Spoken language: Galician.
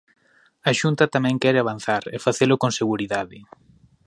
A Xunta tamén quere avanzar e facelo con seguridade.